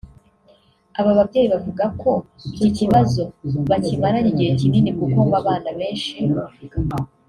Aba babyeyi bavuga ko iki kibazo bakimaranye igihe kinini kuko ngo abana benshi